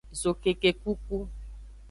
Zokekekuku.